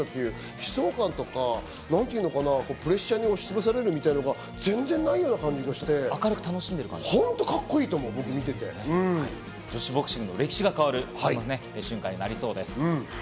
悲壮感っていうかプレッシャーに押しつぶされるみたいなのが全然ない気がして、女子ボクシングの歴史が変わる瞬間となりそうです。